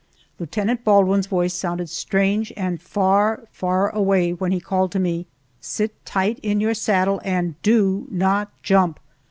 Lieutenant Baldwin's voice sounded strange and far, far away when he called to me, "Sit tight in your saddle and do not jump!"